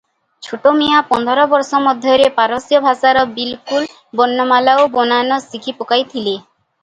ଛୋଟମିଆଁ ପନ୍ଦର ବର୍ଷ ମଧ୍ୟରେ ପାରସ୍ୟ ଭାଷାର ବିଲକୁଲ ବର୍ଣ୍ଣମାଳା ଓ ବନାନ ଶିଖିପକାଇଥିଲେ ।